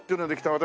私